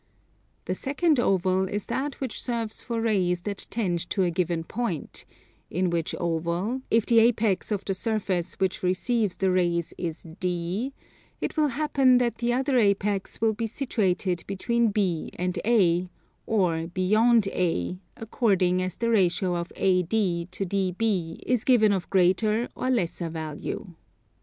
The second oval is that which serves for rays that tend to a given point; in which oval, if the apex of the surface which receives the rays is D, it will happen that the other apex will be situated between B and A, or beyond A, according as the ratio of AD to DB is given of greater or lesser value.